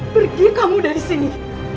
pergi kamu dari sini